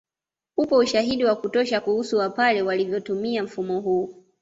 Upo ushahidi wa kutosha kuhusu Wapare walivyotumia mfumo huu